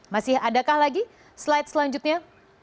masih adakah lagi slide selanjutnya